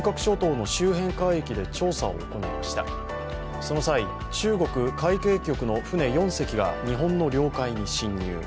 その際、中国海警局の船３隻が日本の領海に侵入。